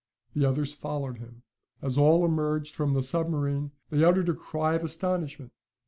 The others followed him. As all emerged from the submarine they uttered a cry of astonishment.